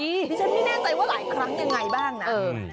ดิฉันไม่แน่ใจว่าหลายครั้งยังไงบ้างนะ